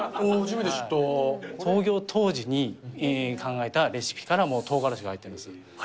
創業当時に考えたレシピから、入ってるんですか？